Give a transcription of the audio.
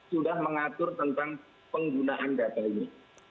sudah mengatur tentang penggunaan data ini